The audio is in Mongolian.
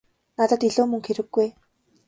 Надад илүү мөнгө хэрэггүй ээ.